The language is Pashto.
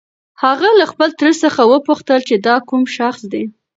هغه له خپل تره څخه وپوښتل چې دا کوم شخص دی؟